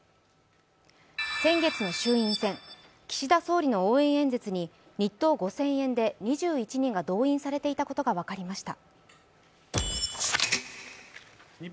先月の衆院選、岸田総理の応援演説に日当５０００円で２１人が動員されていたことが分かりました。